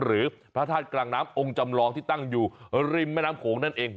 หรือพระธาตุกลางน้ำองค์จำลองที่ตั้งอยู่ริมแม่น้ำโขงนั่นเอง